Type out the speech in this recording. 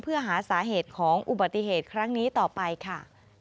เพื่อหาสาเหตุของอุบัติเหตุครั้งนี้ต่อไปค่ะ